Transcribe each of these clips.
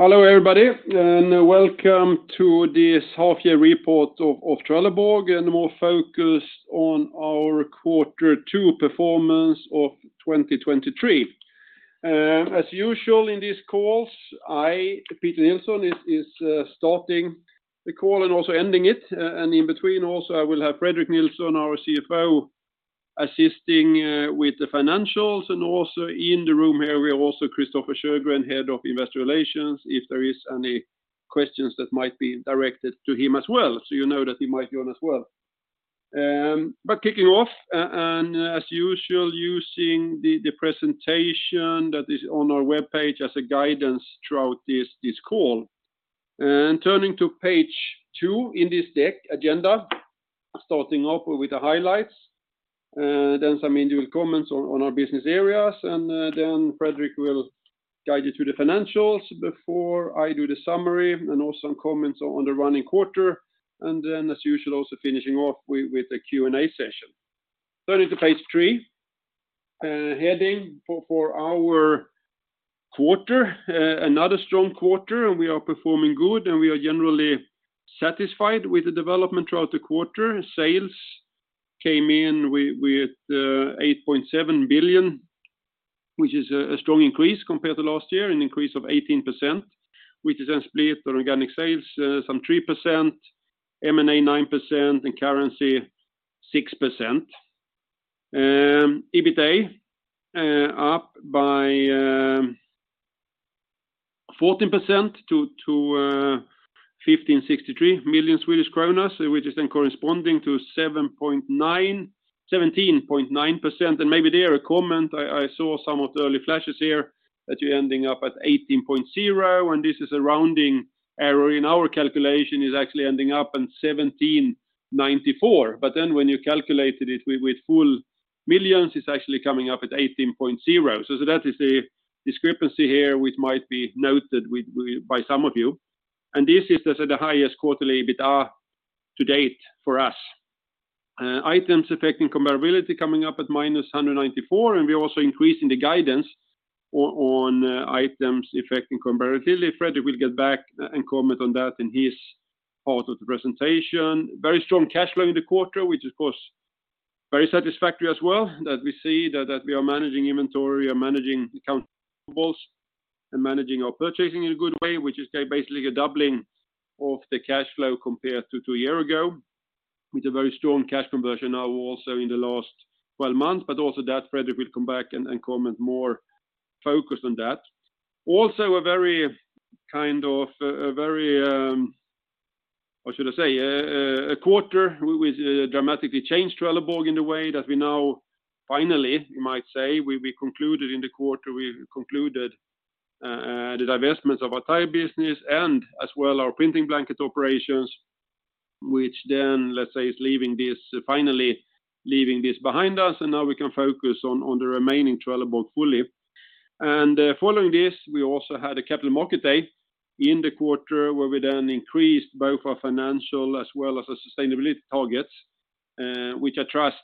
Hello, everybody, and welcome to this half-year report of Trelleborg, and more focused on our quarter two performance of 2023. As usual in these calls, I, Peter Nilsson, is starting the call and also ending it. In between also, I will have Fredrik Nilsson, our CFO, assisting with the financials. Also in the room here, we have also Christofer Sjögren, Head of Investor Relations, if there is any questions that might be directed to him as well, so you know that he might join as well. Kicking off, as usual, using the presentation that is on our webpage as a guidance throughout this call. Turning to page two in this deck agenda, starting off with the highlights, then some individual comments on our business areas, then Fredrik will guide you through the financials before I do the summary, also some comments on the running quarter, as usual, also finishing off with a Q&A session. Turning to page three, heading for our quarter, another strong quarter, we are performing good, we are generally satisfied with the development throughout the quarter. Sales came in with 8.7 billion, which is a strong increase compared to last year, an increase of 18%, which is then split on organic sales, 3%, M&A 9%, currency 6%. EBITA up by 14% to 1,563 million Swedish kronor, which is then corresponding to 17.9%. Maybe there a comment, I saw some of the early flashes here that you're ending up at 18.0, and this is a rounding error, in our calculation is actually ending up in 17.94. When you calculated it with full millions, it's actually coming up at 18.0. That is a discrepancy here which might be noted with by some of you. This is the highest quarterly EBITA to date for us. Items affecting comparability coming up at -194, and we're also increasing the guidance on items affecting comparability. Fredrik will get back and comment on that in his part of the presentation. Very strong cash flow in the quarter, which of course, very satisfactory as well, that we see that we are managing inventory, we are managing accounts receivables, and managing our purchasing in a good way, which is basically a doubling of the cash flow compared to two years ago, with a very strong cash conversion now also in the last 12 months, but also that Fredrik will come back and comment more focus on that. A very, kind of, a very. What should I say? A quarter which dramatically changed Trelleborg in a way that we now finally, you might say, we concluded in the quarter, we concluded the divestments of our tire business and as well our printing blanket operations, which then, let's say, finally leaving this behind us, and now we can focus on the remaining Trelleborg fully. Following this, we also had a Capital Markets Day in the quarter, where we then increased both our financial as well as our sustainability targets, which I trust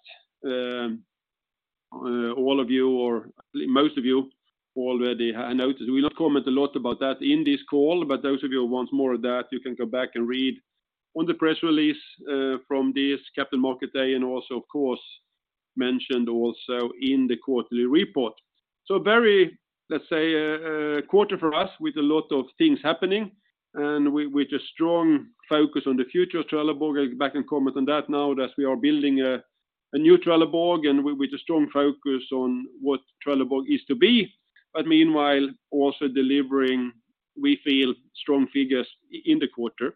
all of you, or most of you, already have noticed. We'll not comment a lot about that in this call, but those of you who want more of that, you can go back and read on the press release from this Capital Markets Day, and also, of course, mentioned also in the quarterly report. A very, let's say, a quarter for us with a lot of things happening, and with a strong focus on the future of Trelleborg. I'll back and comment on that now that we are building a new Trelleborg, and with a strong focus on what Trelleborg is to be, but meanwhile, also delivering, we feel, strong figures in the quarter.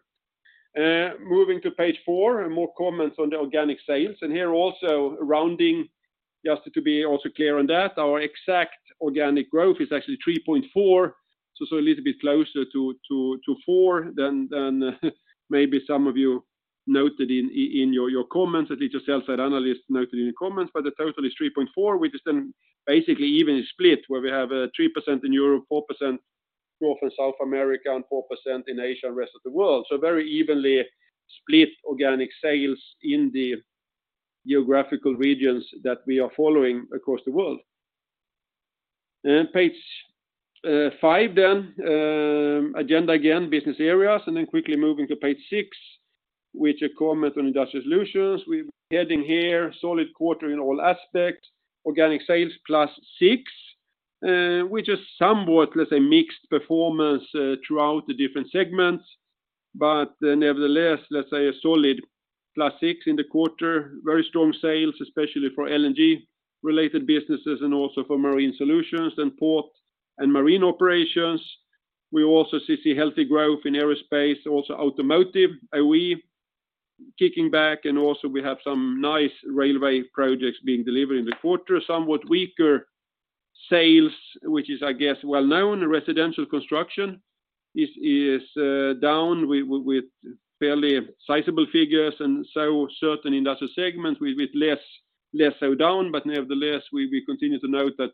Moving to page four, and more comments on the organic sales. Here also, rounding, just to be also clear on that, our exact organic growth is actually 3.4%, so a little bit closer to 4% than maybe some of you noted in your comments, at least yourself and analysts noted in your comments. The total is 3.4%, which is then basically even split, where we have 3% in Europe, 4% North and South America, and 4% in Asia and rest of the world. Very evenly split organic sales in the geographical regions that we are following across the world. Page five then, agenda, again, business areas, and then quickly moving to page six, which I comment on Industrial Solutions. We're heading here, solid quarter in all aspects, organic sales +6, which is somewhat, let's say, mixed performance throughout the different segments. Nevertheless, let's say, a solid +6 in the quarter. Very strong sales, especially for LNG-related businesses and also for marine solutions and port and marine operations. We also see healthy growth in aerospace, also automotive, OE kicking back. Also we have some nice railway projects being delivered in the quarter. Somewhat weaker sales, which is, I guess, well known. Residential construction is down with fairly sizable figures. Certain industrial segments with less so down. Nevertheless, we continue to note that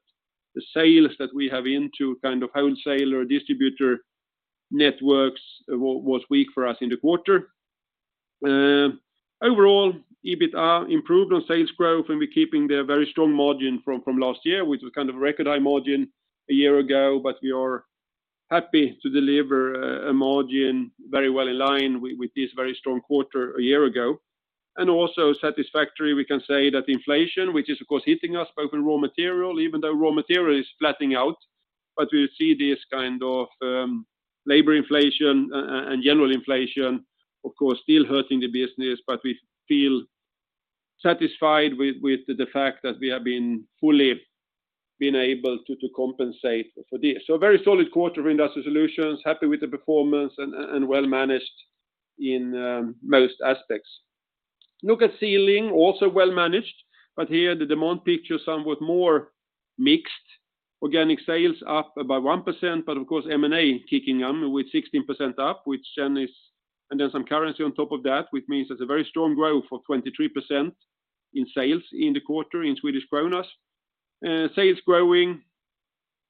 the sales that we have into kind of wholesaler or distributor networks was weak for us in the quarter. Overall, EBITDA improved on sales growth. We're keeping the very strong margin from last year, which was kind of a record high margin a year ago. We are happy to deliver a margin very well in line with this very strong quarter a year ago. Also satisfactory, we can say that inflation, which is, of course, hitting us both in raw material, even though raw material is flattening out, but we see this kind of labor inflation and general inflation, of course, still hurting the business. We feel satisfied with the fact that we have been fully able to compensate for this. A very solid quarter in Industrial Solutions, happy with the performance and well-managed in most aspects. Look at Sealing, also well-managed, but here the demand picture somewhat more mixed. Organic sales up about 1%, of course, M&A kicking in with 16% up, and then some currency on top of that, which means it's a very strong growth for 23% in sales in the quarter in Swedish kronors. Sales growing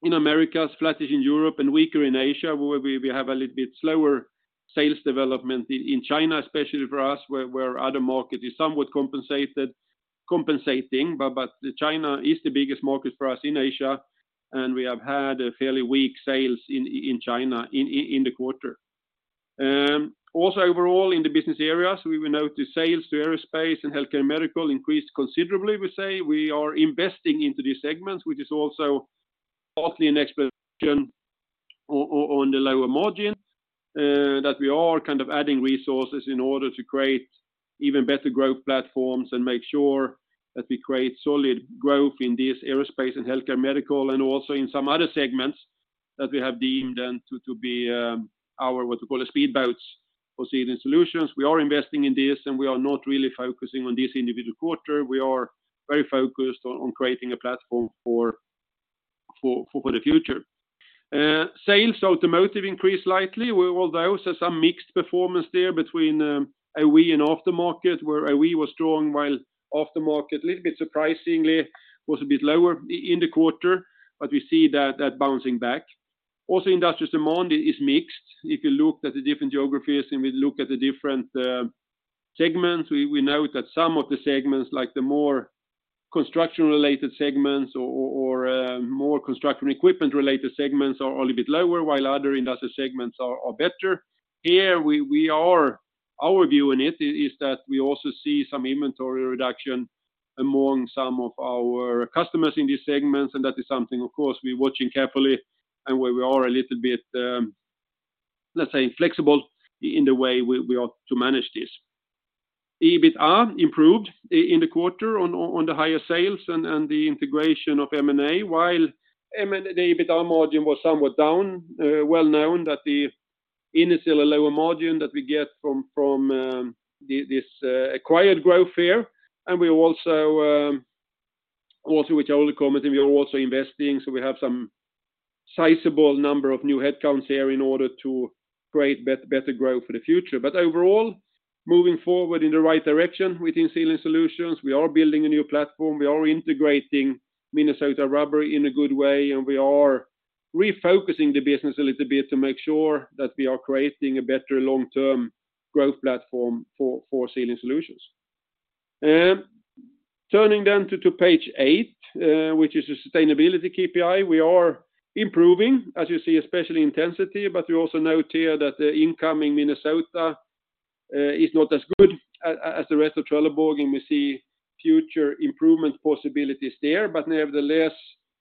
in Americas, flattish in Europe, and weaker in Asia, where we have a little bit slower sales development in China, especially for us, where other markets is somewhat compensating. China is the biggest market for us in Asia, and we have had a fairly weak sales in China in the quarter. Also overall in the business areas, we will note the sales to aerospace and healthcare medical increased considerably, we say. We are investing into these segments, which is also partly an expectation on the lower margin, that we are kind of adding resources in order to create even better growth platforms and make sure that we create solid growth in this aerospace and healthcare medical, and also in some other segments that we have deemed them to be, our, what we call, the speedboats for Sealing Solutions. We are investing in this, we are not really focusing on this individual quarter. We are very focused on creating a platform for the future. Sales automotive increased slightly. We although, saw some mixed performance there between OE and aftermarket, where OE was strong, while aftermarket, a little bit surprisingly, was a bit lower in the quarter, but we see that bouncing back. Also, industrial demand is mixed. If you look at the different geographies, and we look at the different segments, we note that some of the segments, like the more construction-related segments or, more construction equipment-related segments, are a little bit lower, while other industrial segments are better. Here, we, our view in it is that we also see some inventory reduction among some of our customers in these segments, and that is something, of course, we're watching carefully and where we are a little bit, let's say, inflexible in the way we are to manage this. EBITDA improved in the quarter on the higher sales and the integration of M&A, while the EBITDA margin was somewhat down. Well known that the initially lower margin that we get from, the, this, acquired growth here, we also, which I will comment, and we are also investing, so we have some sizable number of new headcounts here in order to create better growth for the future. Overall, moving forward in the right direction within Sealing Solutions. We are building a new platform, we are integrating Minnesota Rubber in a good way, and we are refocusing the business a little bit to make sure that we are creating a better long-term growth platform for Sealing Solutions. Turning to page 8, which is the sustainability KPI. We are improving, as you see, especially intensity. We also note here that the incoming Minnesota is not as good as the rest of Trelleborg. We see future improvement possibilities there. Nevertheless,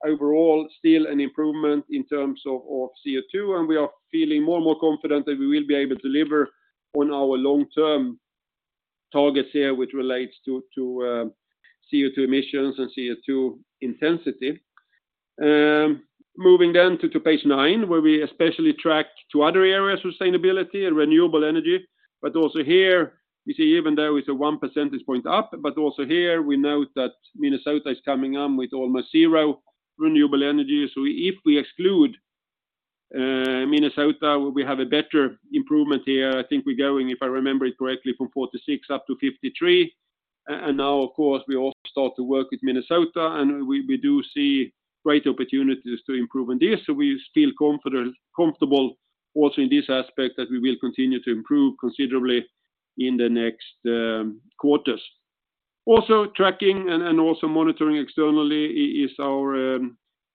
overall, still an improvement in terms of CO2. We are feeling more and more confident that we will be able to deliver on our long-term targets here, which relates to CO2 emissions and CO2 intensity. Moving down to page nine, where we especially track two other areas: sustainability and renewable energy. Also here, you see, even though it's a 1 percentage point up, also here, we note that Minnesota is coming on with almost zero renewable energy. If we exclude Minnesota, we have a better improvement here. I think we're going, if I remember it correctly, from 46 up to 53, and now, of course, we also start to work with Minnesota, and we do see great opportunities to improve on this. We're still comfortable also in this aspect, that we will continue to improve considerably in the next quarters. Tracking and also monitoring externally is our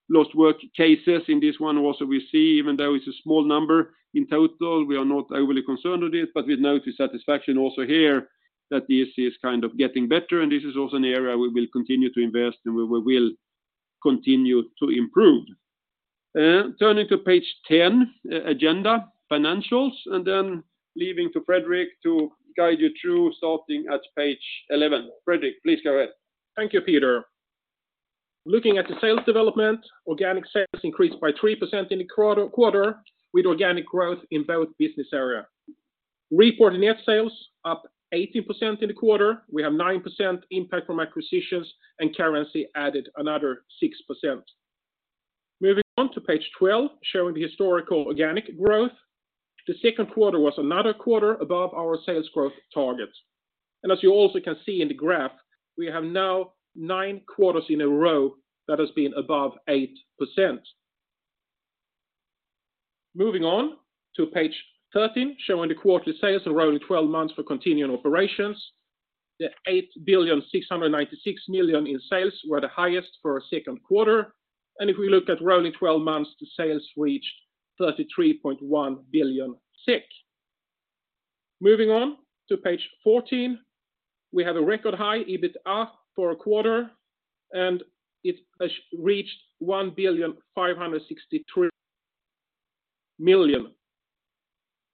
lost work cases. In this one also, we see, even though it's a small number in total, we are not overly concerned with this, but we note with satisfaction also here that this is kind of getting better, and this is also an area we will continue to invest, and we will continue to improve. Turning to page 10, agenda, financials, then leaving to Fredrik to guide you through, starting at page 11. Fredrik, please go ahead. Thank you, Peter. Looking at the sales development, organic sales increased by 3% in the quarter, with organic growth in both business area. Reporting net sales up 18% in the quarter. We have 9% impact from acquisitions, currency added another 6%. Moving on to page 12, showing the historical organic growth. The second quarter was another quarter above our sales growth target. As you also can see in the graph, we have now 9 quarters in a row that has been above 8%. Moving on to page 13, showing the quarterly sales around 12 months for continuing operations. The 8.696 billion in sales were the highest for a second quarter. If we look at rolling 12 months, the sales reached 33.1 billion. Moving on to page 14, we have a record high EBITDA for a quarter. It has reached 1.563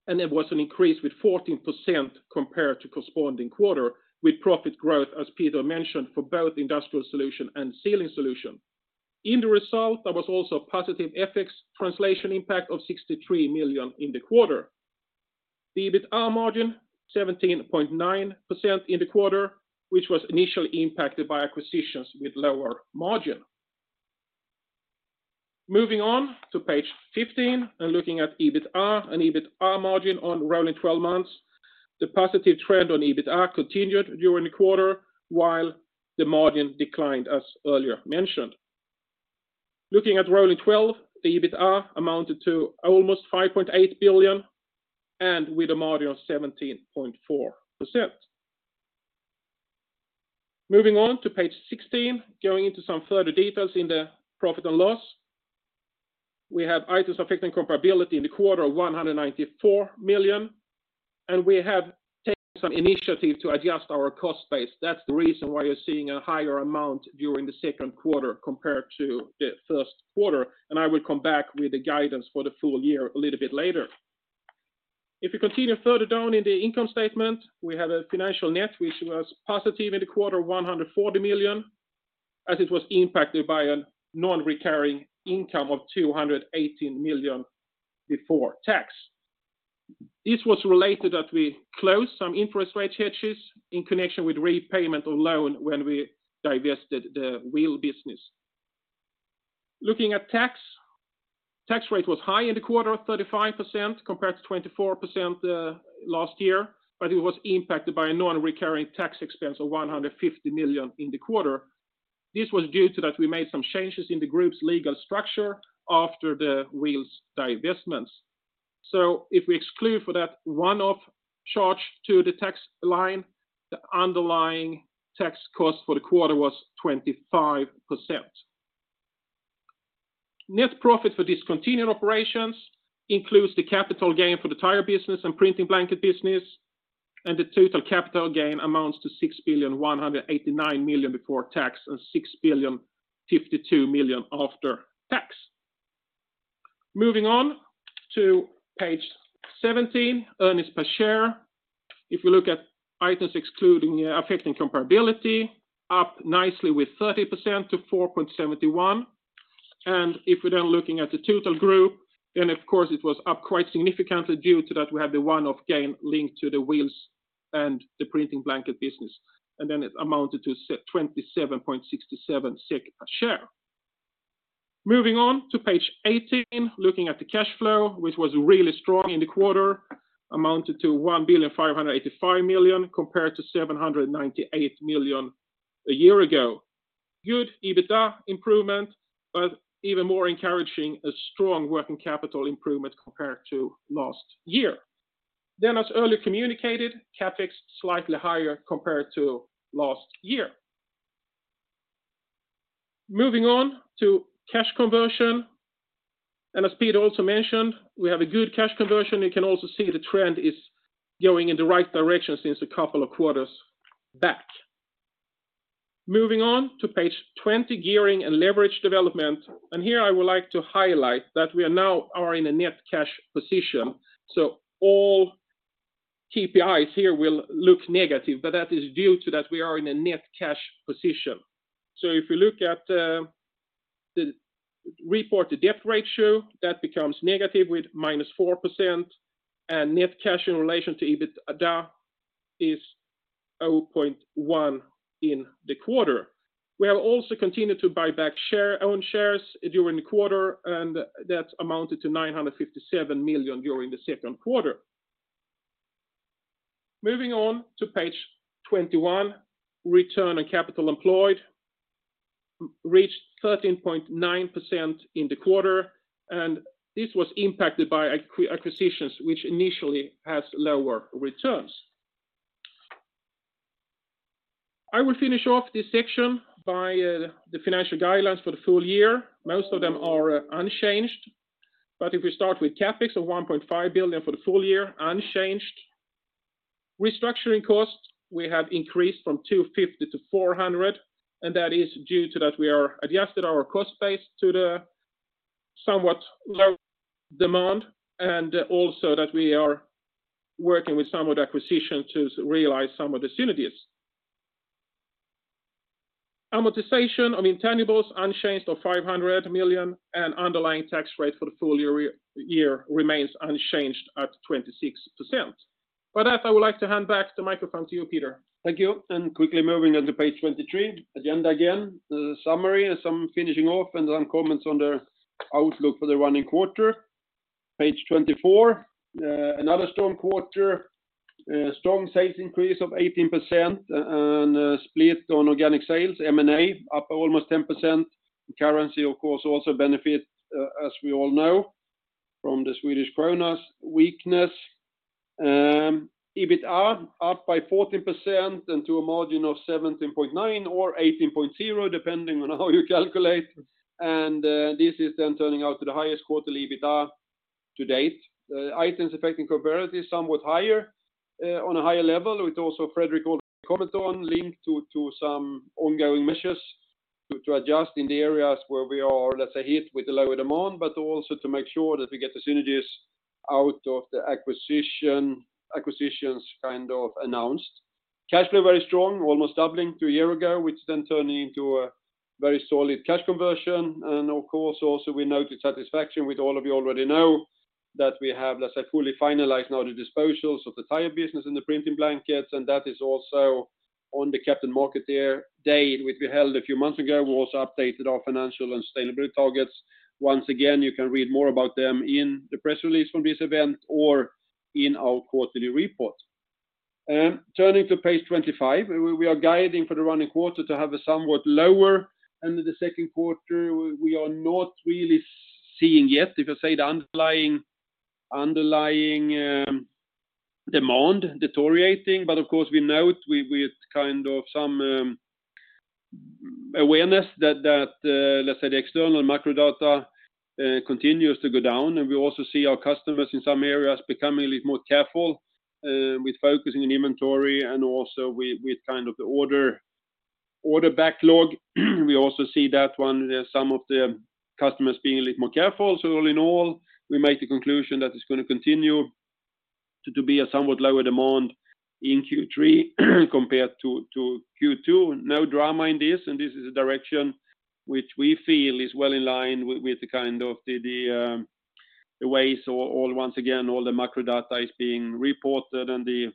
billion. There was an increase with 14% compared to corresponding quarter, with profit growth, as Peter mentioned, for both Trelleborg Industrial Solutions and Trelleborg Sealing Solutions. In the result, there was also a positive FX translation impact of 63 million in the quarter. The EBITDA margin, 17.9% in the quarter, which was initially impacted by acquisitions with lower margin. Moving on to page 15 and looking at EBITDA and EBITDA margin on rolling 12 months, the positive trend on EBITDA continued during the quarter, while the margin declined, as earlier mentioned. Looking at rolling 12, the EBITDA amounted to almost 5.8 billion and with a margin of 17.4%. Moving on to page 16, going into some further details in the profit and loss. We have items affecting comparability in the quarter of 194 million. We have taken some initiative to adjust our cost base. That's the reason why you're seeing a higher amount during the second quarter compared to the first quarter. I will come back with the guidance for the full year a little bit later. If you continue further down in the income statement, we have a financial net, which was positive in the quarter, 140 million, as it was impacted by a non-recurring income of 218 million before tax. This was related that we closed some interest rate hedges in connection with repayment of loan when we divested the wheel business. Looking at tax rate was high in the quarter, 35%, compared to 24% last year, but it was impacted by a non-recurring tax expense of 150 million in the quarter. This was due to that we made some changes in the group's legal structure after the wheels divestments. If we exclude for that one-off charge to the tax line, the underlying tax cost for the quarter was 25%. Net profit for discontinued operations includes the capital gain for the tire business and printing blanket business. The total capital gain amounts to 6.189 billion before tax, and 6.052 billion after tax. Moving on to page 17, earnings per share. If you look at items affecting comparability, up nicely with 30% to 4.71. If we're looking at the total group, of course, it was up quite significantly due to that we have the one-off gain linked to the wheels and the printing blanket business, it amounted to 27.67 SEK a share. Moving on to page 18, looking at the cash flow, which was really strong in the quarter, amounted to 1.585 billion, compared to 798 million a year ago. Good EBITDA improvement, but even more encouraging, a strong working capital improvement compared to last year. As earlier communicated, CapEx slightly higher compared to last year. Moving on to cash conversion, and as Peter also mentioned, we have a good cash conversion. You can also see the trend is going in the right direction since a couple of quarters back. Moving on to page 20, gearing and leverage development. Here I would like to highlight that we are now in a net cash position, so all KPIs here will look negative, but that is due to that we are in a net cash position. If you look at the reported debt ratio, that becomes negative with -4%, and net cash in relation to EBITDA is 0.1 in the quarter. We have also continued to buy back share, own shares during the quarter, and that amounted to 957 million during the second quarter. Moving on to page 21, Return on Capital Employed reached 13.9% in the quarter, and this was impacted by acquisitions, which initially has lower returns. I will finish off this section by the financial guidelines for the full year. Most of them are unchanged, but if we start with CapEx of 1.5 billion for the full year, unchanged. Restructuring costs, we have increased from 250 to 400, and that is due to that we are adjusted our cost base to the somewhat lower demand, and also that we are working with some of the acquisitions to realize some of the synergies. Amortization on intangibles unchanged of 500 million. Underlying tax rate for the full year remains unchanged at 26%. With that, I would like to hand back the microphone to you, Peter. Thank you. Quickly moving on to page 23. Agenda, again, the summary and some finishing off, and then comments on the outlook for the running quarter. Page 24, another strong quarter. Strong sales increase of 18%, a split on organic sales, M&A up almost 10%. Currency, of course, also benefit, as we all know, from the Swedish krona's weakness. EBITDA up by 14% and to a margin of 17.9 or 18.0, depending on how you calculate. This is then turning out to the highest quarterly EBITDA to date. Items affecting comparability is somewhat higher on a higher level, which also Fredrik will comment on, linked to some ongoing measures to adjust in the areas where we are, let's say, hit with the lower demand, but also to make sure that we get the synergies out of the acquisitions kind of announced. Cash flow very strong, almost doubling to a year ago, which then turning into a very solid cash conversion. Of course, also we note the satisfaction, which all of you already know, that we have, let's say, fully finalized now the disposals of the tire business and the printing blankets, and that is also on the Capital Market Day, which we held a few months ago. We also updated our financial and sustainability targets. Once again, you can read more about them in the press release from this event or in our quarterly report. Turning to page 25, we are guiding for the running quarter to have a somewhat lower than the second quarter. We are not really seeing yet, if I say, the underlying demand deteriorating. Of course, we note with kind of some awareness that, let's say, the external macro data continues to go down. We also see our customers in some areas becoming a little more careful with focusing on inventory and also with kind of the order backlog. We also see that some of the customers being a little more careful. All in all, we make the conclusion that it's going to continue to be a somewhat lower demand in Q3, compared to Q2. No drama in this, and this is a direction which we feel is well in line with the kind of the way. Once again, all the macro data is being reported, and the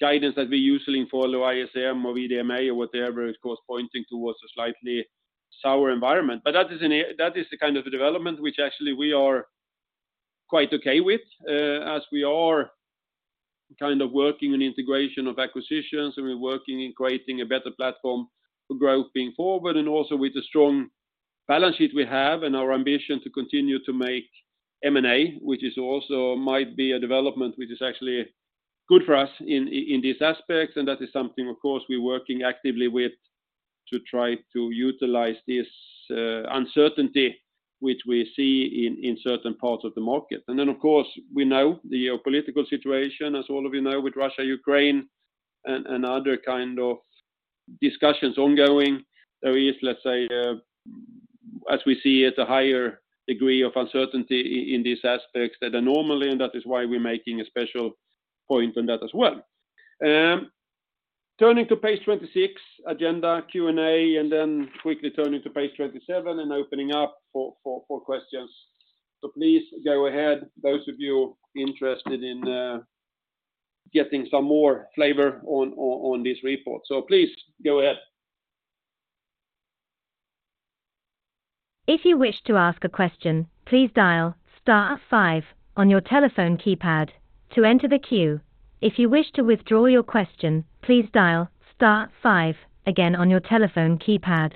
guidance that we usually follow, ISM or VDMA or whatever, is of course, pointing towards a slightly sour environment. That is the kind of development which actually we are quite okay with, as we are kind of working on integration of acquisitions, and we're working in creating a better platform for growth being forward, and also with the strong balance sheet we have and our ambition to continue to make M&A, which is also might be a development which is actually good for us in these aspects, and that is something, of course, we're working actively with to try to utilize this uncertainty which we see in certain parts of the market. Of course, we know the geopolitical situation, as all of you know, with Russia, Ukraine, and other kind of discussions ongoing. There is, let's say, as we see, it's a higher degree of uncertainty in these aspects than normally. That is why we're making a special point on that as well. Turning to page 26, agenda, Q&A, then quickly turning to page 27 and opening up for questions. Please go ahead, those of you interested in, getting some more flavor on this report. Please go ahead. If you wish to ask a question, please dial star five on your telephone keypad to enter the queue. If you wish to withdraw your question, please dial star five again on your telephone keypad.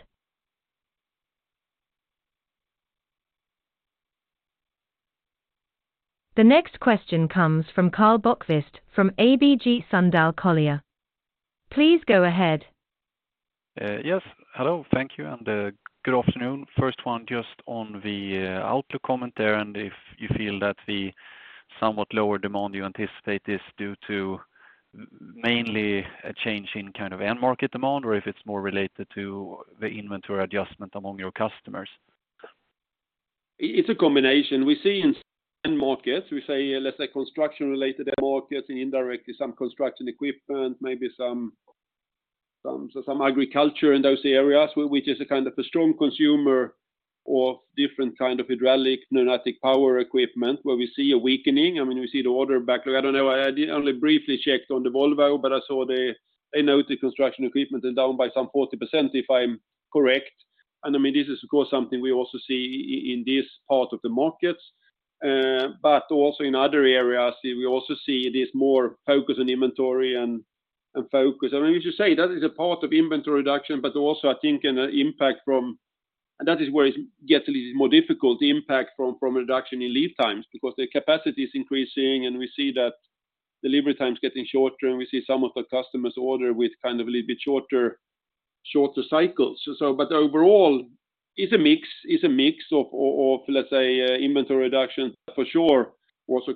The next question comes from Karl Bokvist from ABG Sundal Collier. Please go ahead. Yes. Hello, thank you, and good afternoon. First one, just on the outlook comment there, and if you feel that the somewhat lower demand you anticipate is due to mainly a change in kind of end market demand, or if it's more related to the inventory adjustment among your customers? It's a combination. We see in end markets, we say, let's say, construction-related end markets, indirectly some construction equipment, maybe some agriculture in those areas, which is a kind of a strong consumer of different kind of hydraulic, pneumatic power equipment, where we see a weakening. I mean, we see the order backlog. I don't know, I only briefly checked on the Volvo, but I saw they note the construction equipment is down by some 40%, if I'm correct. I mean, this is of course, something we also see in this part of the markets. But also in other areas, we also see this more focus on inventory and focus. I mean, we should say that is a part of inventory reduction, but also, I think, an impact from... That is where it gets a little more difficult, the impact from a reduction in lead times, because the capacity is increasing, and we see that delivery time is getting shorter, and we see some of the customers order with kind of a little bit shorter cycles. But overall, it's a mix, it's a mix of, let's say, inventory reduction, for sure.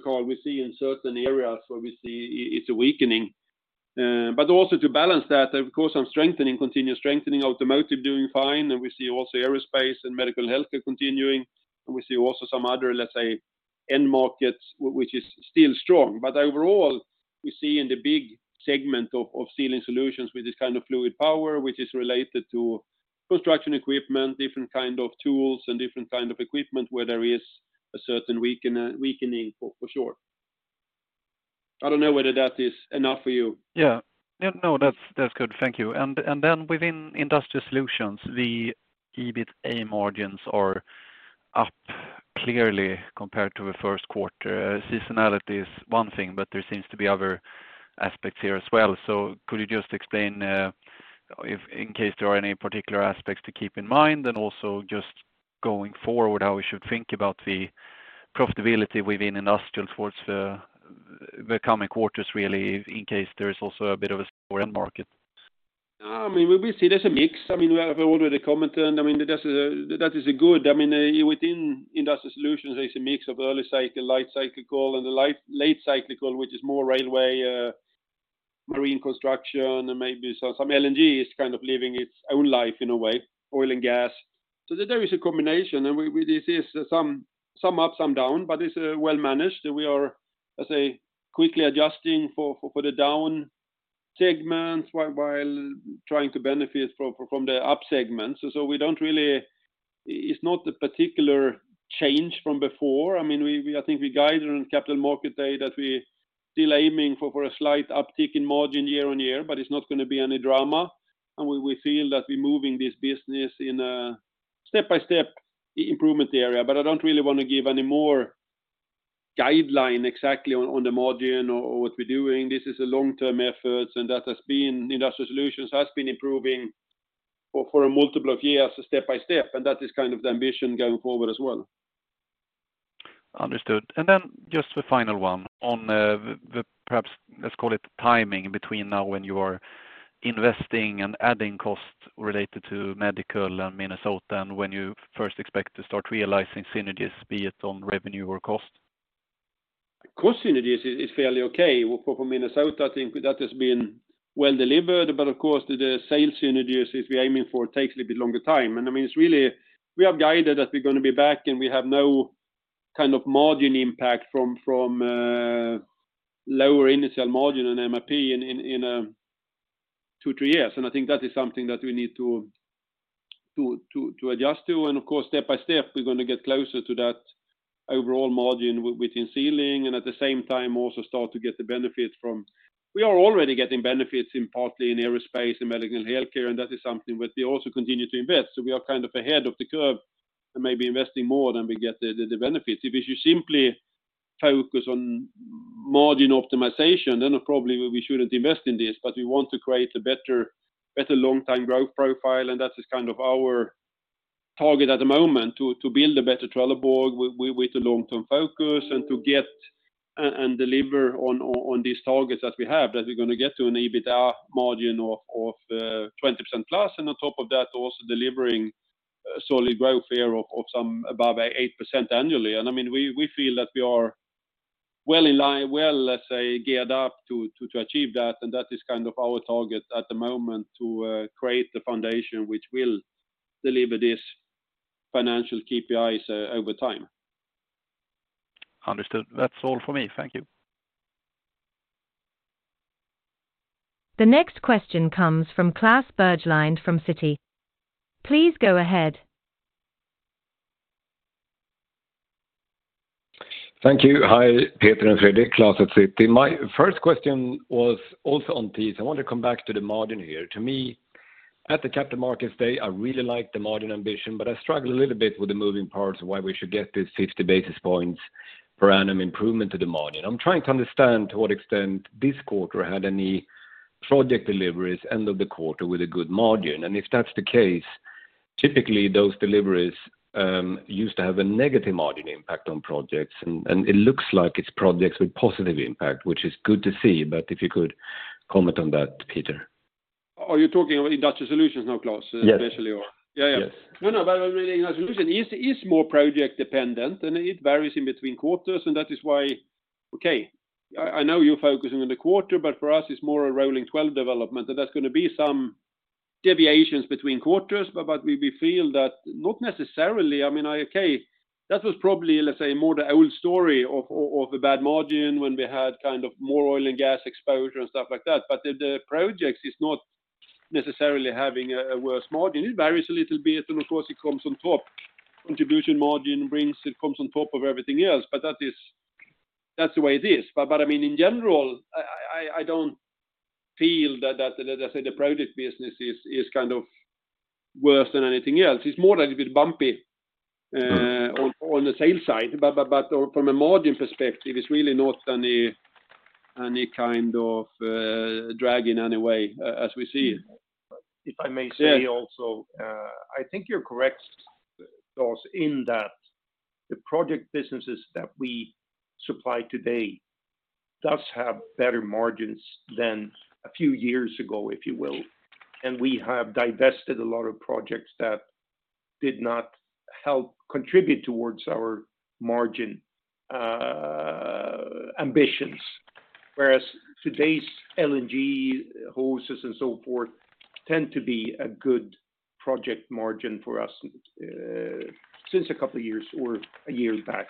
Karl, we see in certain areas where we see it's a weakening. Also to balance that, of course, some strengthening, continuous strengthening, automotive doing fine, and we see also aerospace and medical health are continuing, and we see also some other, let's say, end markets, which is still strong. Overall, we see in the big segment of Sealing Solutions with this kind of fluid power, which is related to construction equipment, different kind of tools and different kind of equipment, where there is a certain weakening for sure. I don't know whether that is enough for you? Yeah. Yeah, no, that's good. Thank you. Then within Industrial Solutions, the EBITA margins are up.... clearly compared to the first quarter. Seasonality is one thing, but there seems to be other aspects here as well. Could you just explain, if in case there are any particular aspects to keep in mind, and also just going forward, how we should think about the profitability within Industrial towards the coming quarters, really, in case there's also a bit of a slower end market? I mean, we see there's a mix. I mean, we have already commented, and I mean, that is a good. I mean, within Industrial Solutions, there's a mix of early cycle, light cyclical, and the late cyclical, which is more railway, marine construction, and maybe some LNG is kind of living its own life in a way, oil and gas. There is a combination, and we, this is some up, some down, but it's well managed. We are, let's say, quickly adjusting for the down segments, while trying to benefit from the up segments. We don't really. It's not a particular change from before. I mean, we, I think we guided on Capital Market Day that we're still aiming for a slight uptick in margin year-on-year. It's not going to be any drama. We feel that we're moving this business in a step-by-step improvement area, but I don't really want to give any more guideline exactly on the margin or what we're doing. This is a long-term efforts. Industrial Solutions has been improving for a multiple of years, step-by-step. That is kind of the ambition going forward as well. Understood. Just the final one on the, perhaps, let's call it timing between now when you are investing and adding costs related to medical and Minnesota, and when you first expect to start realizing synergies, be it on revenue or cost? Cost synergies is fairly okay. For Minnesota, I think that has been well delivered, but of course, the sales synergies which we're aiming for takes a little bit longer time. I mean, it's really, we have guided that we're gonna be back, and we have no kind of margin impact from lower initial margin on MRP in two, three years. I think that is something that we need to adjust to. Of course, step by step, we're gonna get closer to that overall margin within Sealing, and at the same time, also start to get the benefits from. We are already getting benefits in partly in aerospace and medical and healthcare, and that is something that we also continue to invest. We are kind of ahead of the curve and maybe investing more than we get the benefits. If you simply focus on margin optimization, then probably we shouldn't invest in this, but we want to create a better long-term growth profile, and that is kind of our target at the moment, to build a better Trelleborg with a long-term focus, and to deliver on these targets that we have, that we're gonna get to an EBITDA margin of 20% plus, and on top of that, also delivering solid growth here of some above 8% annually. I mean, we feel that we are well in line, well, let's say, geared up to achieve that, and that is kind of our target at the moment, to create the foundation which will deliver these financial KPIs over time. Understood. That's all for me. Thank you. The next question comes from Klas Bergelind from Citi. Please go ahead. Thank you. Hi, Peter and Fredrik, Klas Bergelind at Citi. My first question was also on piece. I want to come back to the margin here. To me, at the Capital Markets Day, I really liked the margin ambition, but I struggled a little bit with the moving parts of why we should get this 50 basis points per annum improvement to the margin. I'm trying to understand to what extent this quarter had any project deliveries end of the quarter with a good margin. If that's the case, typically, those deliveries used to have a negative margin impact on projects, and it looks like it's projects with positive impact, which is good to see. If you could comment on that, Peter. Are you talking about Trelleborg Industrial Solutions now, Klas-? Yes... especially or? Yes. Yeah, yeah. No, no. Industrial Solution is more project dependent, and it varies in between quarters, and that is why. Okay, I know you're focusing on the quarter, but for us, it's more a rolling 12 development, that there's gonna be some deviations between quarters. We feel that not necessarily, I mean, okay, that was probably, let's say, more the old story of a bad margin when we had kind of more oil and gas exposure and stuff like that. The projects is not necessarily having a worse margin. It varies a little bit, and of course, it comes on top. Contribution margin brings, it comes on top of everything else, but that's the way it is. I mean, in general, I don't feel that, as I said, the project business is kind of worse than anything else. It's more a little bit bumpy. Mm-hmm on the sales side, but from a margin perspective, it's really not any kind of drag in any way as we see it. If I may say also-. Yeah... I think you're correct, Klas, in that the project businesses that we supply today does have better margins than a few years ago, if you will, and we have divested a lot of projects that did not help contribute towards our margin ambitions. Whereas today's LNG, hoses, and so forth, tend to be a good project margin for us, since a couple of years or a year back.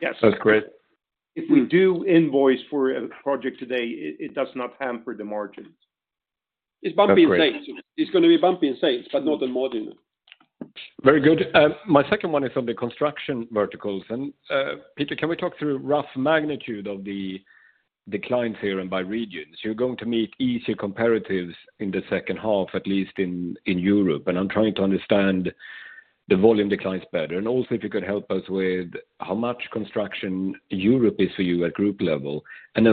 Yes. That's great. If we do invoice for a project today, it does not hamper the margins. It's bumpy in sales. That's great. It's gonna be bumpy in sales, but not in margin. Very good. My second one is on the construction verticals. Peter, can we talk through rough magnitude of declines here and by regions, you're going to meet easier comparatives in the second half, at least in Europe, and I'm trying to understand the volume declines better. Also, if you could help us with how much construction Europe is for you at group level?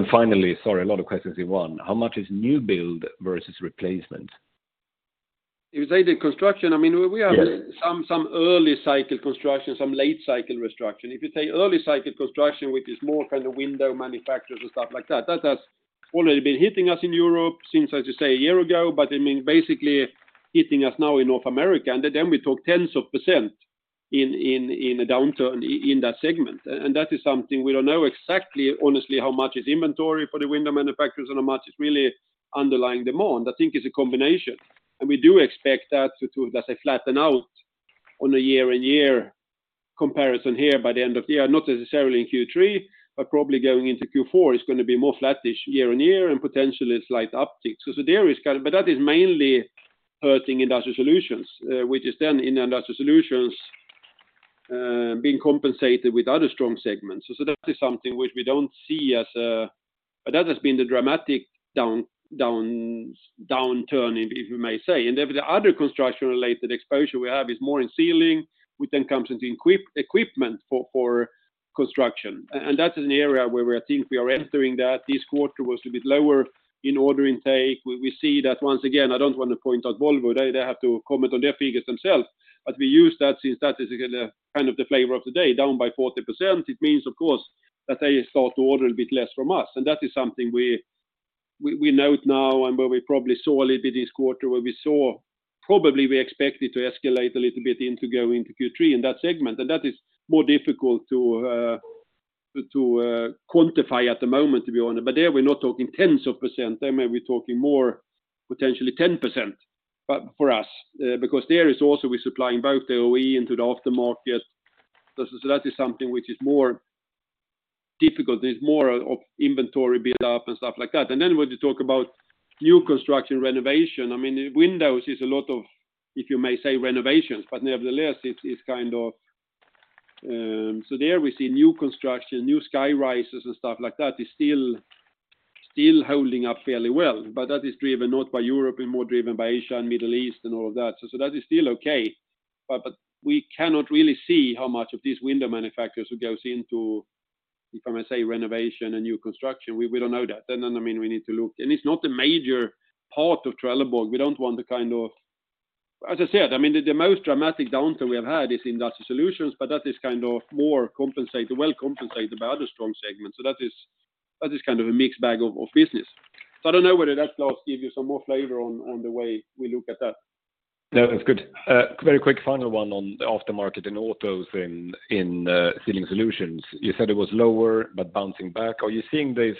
Finally, sorry, a lot of questions in one, how much is new build versus replacement? If you say the construction, I mean, we have. Yes some early cycle construction, some late cycle construction. If you say early cycle construction, which is more kind of window manufacturers and stuff like that has only been hitting us in Europe since, as you say, a year ago. basically hitting us now in North America, and then we talk tens of % in a downturn in that segment. that is something we don't know exactly, honestly, how much is inventory for the window manufacturers and how much is really underlying demand. I think it's a combination, and we do expect that to, as I flatten out on a year-on-year comparison here by the end of the year, not necessarily in Q3, but probably going into Q4, it's gonna be more flattish year-on-year and potentially a slight uptick. That is mainly hurting Industrial Solutions, which is then in Industrial Solutions being compensated with other strong segments. That is something which we don't see. That has been the dramatic downturn, if you may say. The other construction-related exposure we have is more in Sealing, which then comes into equipment for construction. That is an area where we, I think we are entering that. This quarter was a bit lower in order intake. We see that once again, I don't want to point out Volvo, they have to comment on their figures themselves, but we use that since that is kind of the flavor of the day, down by 40%. It means, of course, that they start to order a bit less from us, and that is something we note now and where we probably saw a little bit this quarter, where we saw probably we expect it to escalate a little bit into going into Q3 in that segment. That is more difficult to quantify at the moment, to be honest. There, we're not talking tens of %, there maybe we're talking more, potentially 10%. For us, because there is also we're supplying both the OE into the aftermarket. That is something which is more difficult. There's more of inventory build up and stuff like that. When you talk about new construction, renovation, I mean, windows is a lot of, if you may say, renovations, but nevertheless, it's kind of... There we see new construction, new skyrises and stuff like that, is still holding up fairly well. That is driven not by Europe, but more driven by Asia and Middle East and all of that. That is still okay, but we cannot really see how much of these window manufacturers who goes into, if I may say, renovation and new construction. We, we don't know that. I mean, we need to look. It's not a major part of Trelleborg. We don't want to kind of. As I said, I mean, the most dramatic downturn we have had is Industrial Solutions, but that is kind of more compensated, well compensated by other strong segments. That is kind of a mixed bag of business. I don't know whether that does give you some more flavor on the way we look at that. No, that's good. Very quick final one on the aftermarket in autos in Sealing Solutions. You said it was lower, but bouncing back. Are you seeing this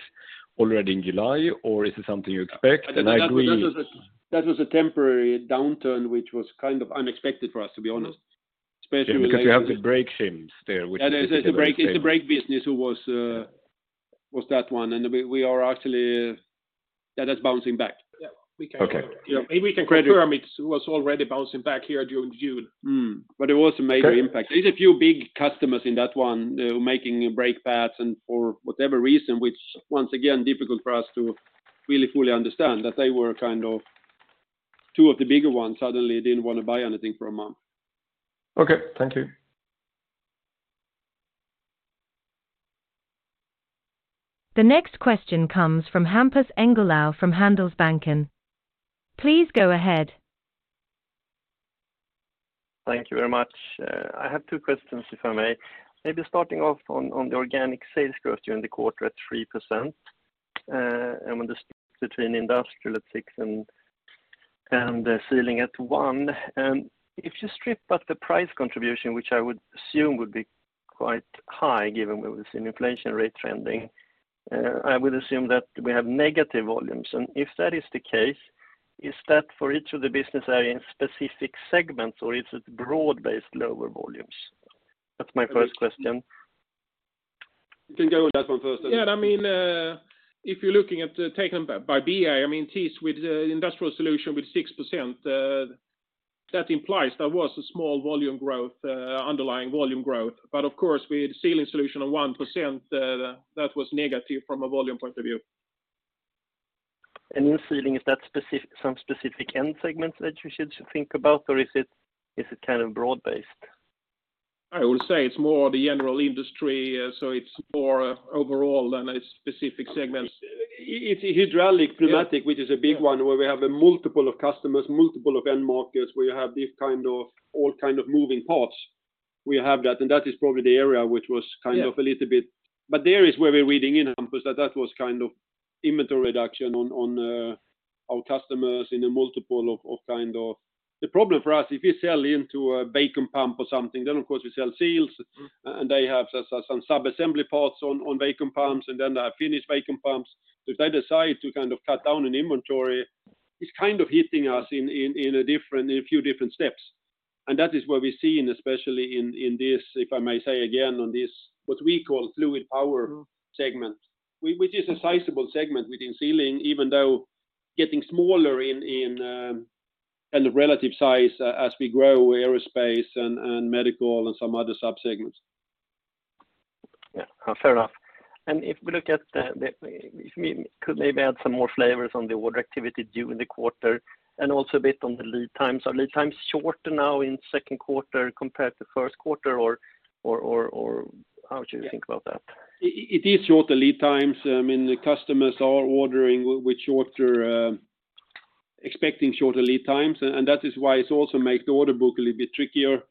already in July, or is this something you expect? I agree- That was a temporary downturn, which was kind of unexpected for us, to be honest. You have the brake shims there, which-. Yeah, it's the brake business who was that one, and we are actually, that is bouncing back. Yeah, we. Okay. We can confirm it was already bouncing back here during June. Mm-hmm. It was a major impact. Okay. There's a few big customers in that one, making brake pads and for whatever reason, which once again, difficult for us to really fully understand, that they were kind of two of the bigger ones, suddenly didn't want to buy anything for a month. Okay, thank you. The next question comes from Hampus Engellau from Handelsbanken. Please go ahead. Thank you very much. I have two questions, if I may. Maybe starting off on the organic sales growth during the quarter at 3%, and when the between industrial at 6% and sealing at 1%. If you strip back the price contribution, which I would assume would be quite high, given where we've seen inflation rate trending, I would assume that we have negative volumes. If that is the case, is that for each of the business area in specific segments, or is it broad-based lower volumes? That's my first question. You can go with that one first. I mean, if you're looking at taken by BI, I mean, tease with the Industrial Solution with 6%, that implies there was a small volume growth, underlying volume growth. Of course, with Sealing Solution on 1%, that was negative from a volume point of view. In Sealing, is that some specific end segments that you should think about, or is it kind of broad-based? I will say it's more the general industry, so it's more overall than a specific segment. It's hydraulic, pneumatic, which is a big one, where we have a multiple of customers, multiple of end markets, where you have these kind of, all kind of moving parts. We have that, and that is probably the area which was. Yeah... a little bit. There is where we're reading in, Hampus, that that was kind of inventory reduction on our customers in a multiple of kind of. The problem for us, if we sell into a Vacuum Pump or something, then of course, we sell seals, and they have some sub-assembly parts on Vacuum Pumps, and then the finished Vacuum Pumps. If they decide to kind of cut down on inventory, it's kind of hitting us in a different, in a few different steps. That is what we're seeing, especially in this, if I may say again, on this, what we call fluid power segment, which is a sizable segment within Sealing, even though getting smaller in. The relative size as we grow aerospace and medical and some other sub-segments. Yeah, fair enough. If we look at the, if you could maybe add some more flavors on the order activity during the quarter, also a bit on the lead times. Are lead times shorter now in second quarter compared to first quarter, or how do you think about that? It is shorter lead times. I mean, the customers are ordering with shorter, expecting shorter lead times, and that is why it also make the order book a little bit trickier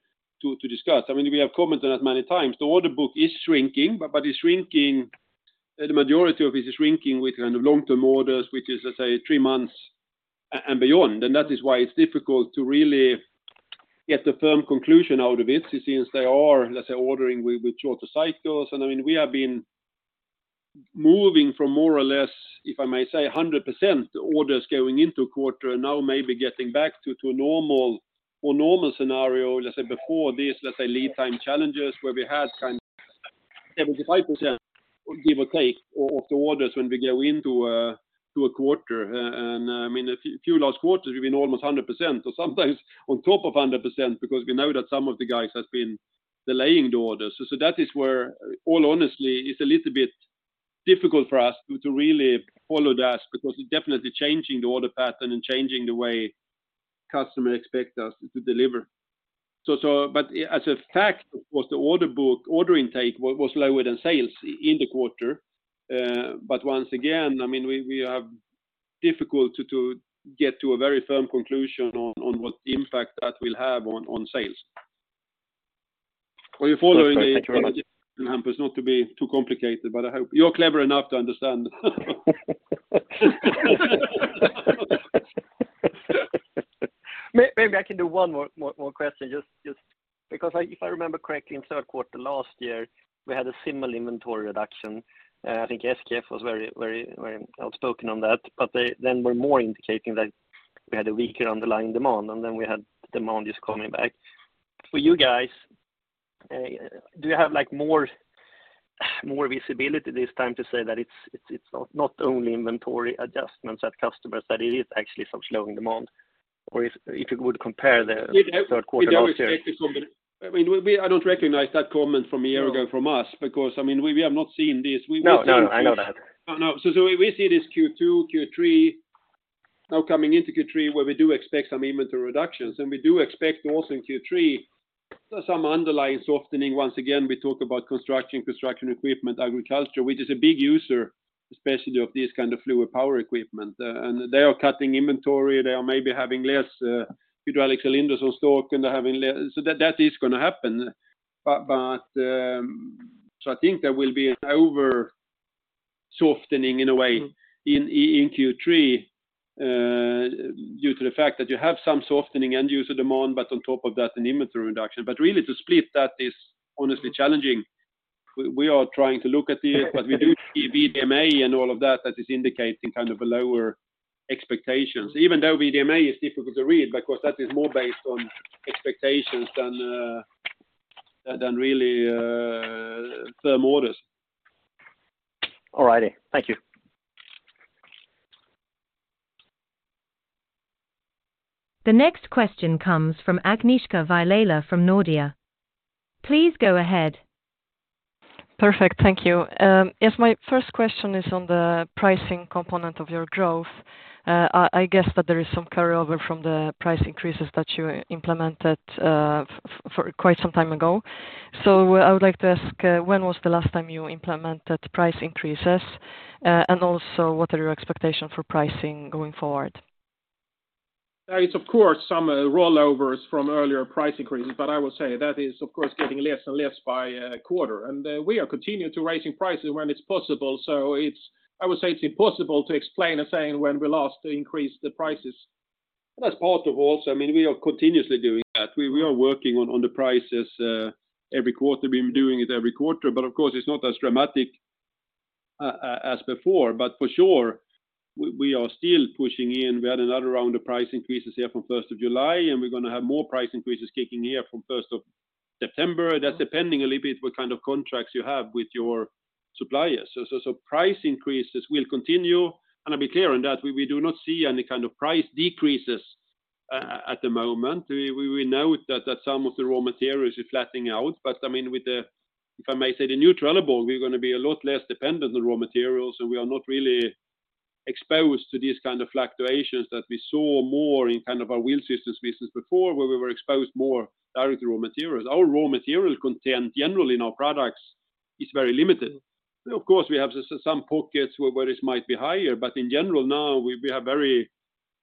to discuss. I mean, we have commented on that many times. The order book is shrinking, but the majority of it is shrinking with kind of long-term orders, which is, let's say, three months and beyond. That is why it's difficult to really get a firm conclusion out of it, since they are, let's say, ordering with shorter cycles. I mean, we have been moving from more or less, if I may say, 100% orders going into quarter, and now maybe getting back to a normal or normal scenario, let's say before this, let's say, lead time challenges, where we had kind of 75%, give or take, of the orders when we go into a quarter. I mean, a few last quarters, we've been almost 100%, or sometimes on top of 100%, because we know that some of the guys have been delaying the orders. That is where, all honestly, it's a little bit difficult for us to really follow that, because it's definitely changing the order pattern and changing the way customer expect us to deliver. But as a fact, was the order book, order intake was lower than sales in the quarter. Once again, I mean, we have difficult to get to a very firm conclusion on what impact that will have on sales. Are you following? Sorry Hampus, not to be too complicated, but I hope you're clever enough to understand. Maybe I can do one more question, just because if I remember correctly, in third quarter last year, we had a similar inventory reduction. I think SKF was very outspoken on that, but they then were more indicating that we had a weaker underlying demand, and then we had demand just coming back. For you guys, do you have, like, more visibility this time to say that it's not only inventory adjustments at customers, but it is actually some slowing demand? Or if you would compare the third quarter last year? I mean, we, I don't recognize that comment from a year ago from us, because, I mean, we have not seen this. No, no, I know that. No, no. We see this Q2, Q3, now coming into Q3, where we do expect some inventory reductions, we do expect also in Q3, some underlying softening. Once again, we talk about construction equipment, agriculture, which is a big user, especially of this kind of fluid power equipment. They are cutting inventory, they are maybe having less hydraulic cylinders on stock. That is going to happen. I think there will be an over softening in a way, in Q3, due to the fact that you have some softening end user demand, on top of that, an inventory reduction. Really, to split that is honestly challenging. We are trying to look at it, but we do see VDMA and all of that is indicating kind of a lower expectations. Even though VDMA is difficult to read, because that is more based on expectations than really firm orders. All righty. Thank you. The next question comes from Agnieszka Vilela from Nordea. Please go ahead. Perfect. Thank you. Yes, my first question is on the pricing component of your growth. I guess that there is some carryover from the price increases that you implemented for quite some time ago. I would like to ask, when was the last time you implemented price increases? What are your expectation for pricing going forward? It's of course, some rollovers from earlier price increases, but I would say that is, of course, getting less and less by quarter. We are continuing to raising prices when it's possible, so I would say it's impossible to explain and saying when we last increased the prices. That's part of also, I mean, we are continuously doing that. We are working on the prices every quarter, been doing it every quarter, but of course, it's not as dramatic as before. For sure, we are still pushing in. We had another round of price increases here from 1st of July, and we're going to have more price increases kicking here from 1st of September. That's depending a little bit what kind of contracts you have with your suppliers. Price increases will continue, I'll be clear on that, we do not see any kind of price decreases at the moment. We know that some of the raw materials is flattening out, I mean, with the, if I may say, the new Trelleborg, we're going to be a lot less dependent on raw materials, we are not really exposed to these kind of fluctuations that we saw more in kind of our wheel systems business before, where we were exposed more directly to raw materials. Our raw material content, generally, in our products is very limited. Of course, we have some pockets where this might be higher, in general, now, we have very,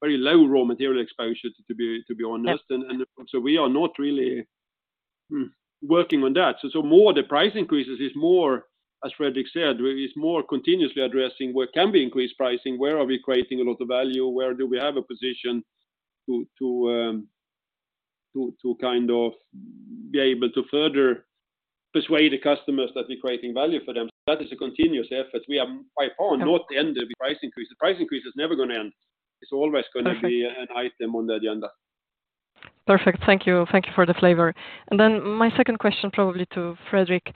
very low raw material exposure, to be honest. We are not really working on that. More the price increases is more, as Fredrik said, it's more continuously addressing where can we increase pricing? Where are we creating a lot of value? Where do we have a position to kind of be able to further persuade the customers that we're creating value for them? That is a continuous effort. We are by far not the end of the price increase. The price increase is never going to end. Okay an item on the agenda. Perfect. Thank you. Thank you for the flavor. My second question, probably to Fredrik,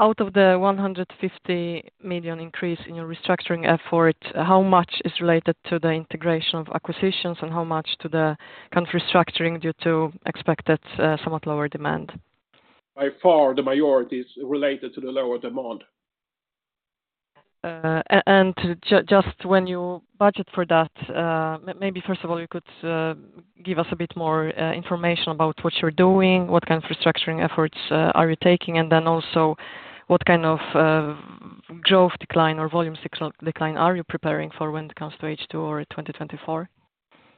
out of the 150 million increase in your restructuring effort, how much is related to the integration of acquisitions, and how much to the cost restructuring due to expected, somewhat lower demand? By far, the majority is related to the lower demand. When you budget for that, maybe first of all, you could give us a bit more information about what you're doing, what kind of restructuring efforts are you taking? Also, what kind of growth decline or volume six decline are you preparing for when it comes to H2 or 2024?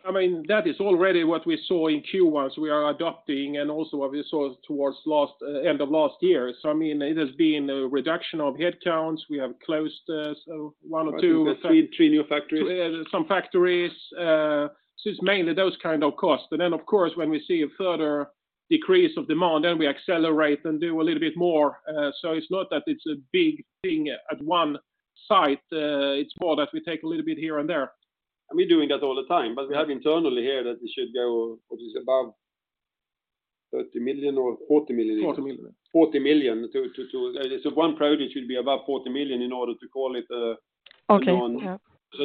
I mean, that is already what we saw in Q1, so we are adopting, and also what we saw towards last end of last year. I mean, it has been a reduction of headcounts. We have closed 3 new factories. Some factories. It's mainly those kind of costs. Of course, when we see a further decrease of demand, we accelerate and do a little bit more. It's not that it's a big thing at 1 site. It's more that we take a little bit here and there. We're doing that all the time, but we have internally here that it should go, what is above 30 million or 40 million? 40 million. 1 project should be above 40 million in order to call it. Okay. Yeah.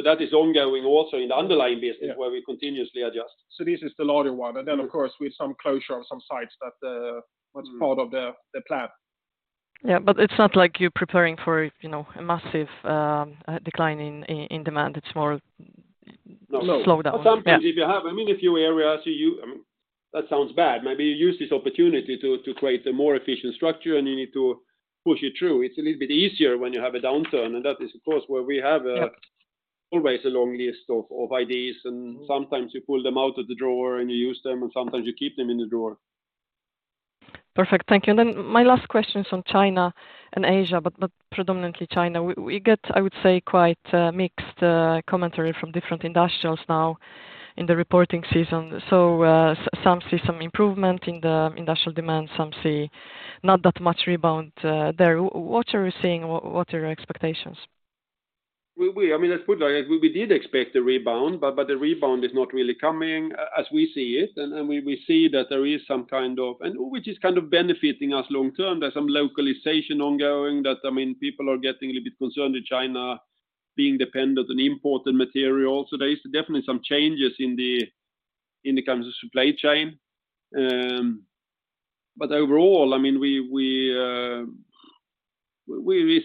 That is ongoing also in the underlying business, Yeah, where we continuously adjust. This is the larger one, and then, of course, with some closure of some sites, that... Mm. That's part of the plan. Yeah, it's not like you're preparing for, you know, a massive decline in demand. It's more- No a slowdown. Sometimes if you have, I mean, a few areas. That sounds bad. Maybe you use this opportunity to create a more efficient structure. You need to push it through. It's a little bit easier when you have a downturn. That is, of course, where we have. Yeah always a long list of ideas, and sometimes... Mm You pull them out of the drawer and you use them, and sometimes you keep them in the drawer. Perfect. Thank you. My last question is on China and Asia, but predominantly China. We get, I would say, quite mixed commentary from different industrials now in the reporting season. Some see some improvement in the industrial demand, some see not that much rebound there. What are you seeing? What are your expectations? I mean, let's put it like, we did expect a rebound, but the rebound is not really coming as we see it. We see that there is some kind of which is kind of benefiting us long term. There's some localization ongoing that, I mean, people are getting a little bit concerned with China being dependent on imported material. There is definitely some changes in the kind of supply chain. Overall, I mean, we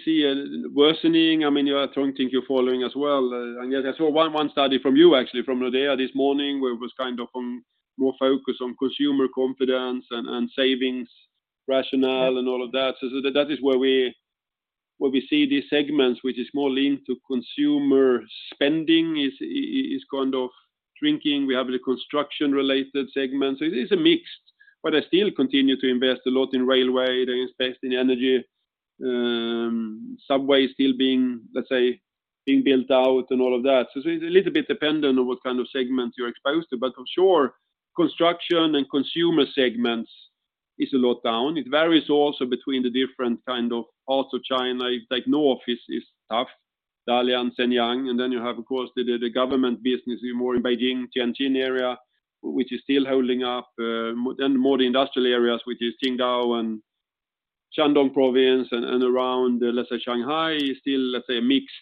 see a worsening. I mean, you I think you're following as well. I saw one study from you, actually, from Nordea this morning, where it was kind of more focused on consumer confidence and savings rationale and all of that. That is where we see these segments, which is more linked to consumer spending, is kind of shrinking. We have the construction-related segments. It's a mix, but I still continue to invest a lot in railway, to invest in energy. Subway still being, let's say, being built out and all of that. It's a little bit dependent on what kind of segment you're exposed to, but for sure, construction and consumer segments is a lot down. It varies also between the different kind of also China, like North is tough, Dalian, Shenyang. You have, of course, the, the government business in more in Beijing, Tianjin area, which is still holding up, and more the industrial areas, which is Qingdao and Shandong province, and around, let's say, Shanghai is still, let's say, a mixed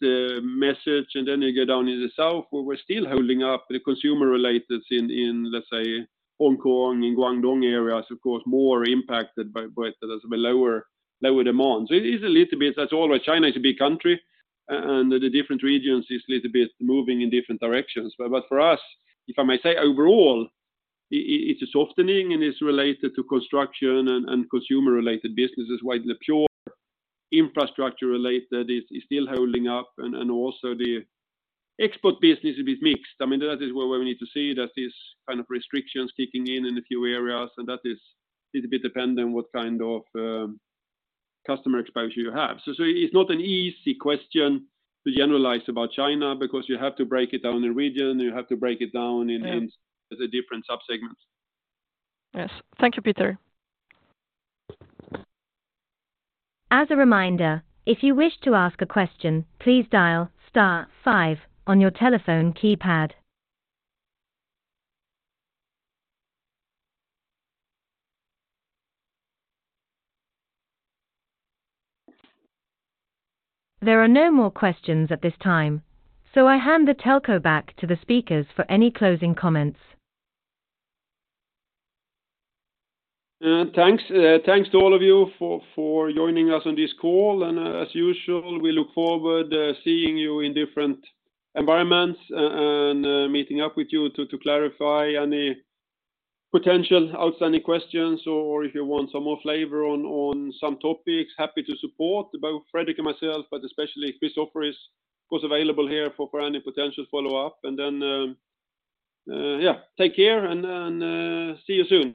message. You go down in the south, where we're still holding up the consumer-related in, let's say, Hong Kong and Guangdong areas, of course, more impacted by the lower demand. It is a little bit. That's all right, China is a big country, and the different regions is a little bit moving in different directions. For us, if I may say overall, it's a softening, and it's related to construction and consumer-related businesses. While the pure infrastructure-related is still holding up, also the export business is a bit mixed. I mean, that is where we need to see that this kind of restrictions kicking in in a few areas, and that is little bit dependent on what kind of customer exposure you have. It's not an easy question to generalize about China, because you have to break it down in region, you have to break it down. Yeah in the different subsegments. Yes. Thank you, Peter. As a reminder, if you wish to ask a question, please dial star five on your telephone keypad. There are no more questions at this time, so I hand the telco back to the speakers for any closing comments. Thanks to all of you for joining us on this call. As usual, we look forward seeing you in different environments and meeting up with you to clarify any potential outstanding questions or if you want some more flavor on some topics, happy to support, both Fredrik and myself, but especially Chris Sjögren was available here for any potential follow-up. Yeah, take care and see you soon.